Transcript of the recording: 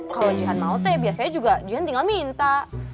kalau jihang mau teh biasanya juga jihang tinggal minta